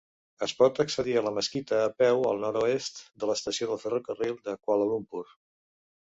Es pot accedir a la mesquita a peu al nord-oest de l'estació de ferrocarril de Kuala Lumpur.